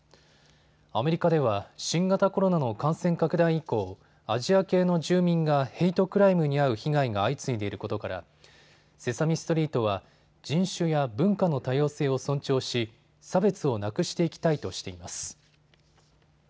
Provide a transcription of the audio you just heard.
アメリカでは新型コロナの感染拡大以降、アジア系の住民がヘイトクライムに遭う被害が相次いでいることからセサミストリートは人種や文化の多様性を尊重し差別をなくしていきたいとしています。